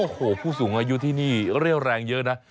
โอ้โหผู้สูงอายุที่นี่เรี่ยวแรงเยอะนะ